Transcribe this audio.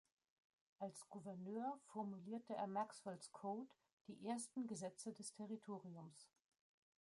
Als Gouverneur formulierte er Maxwells Code, die ersten Gesetze des Territoriums.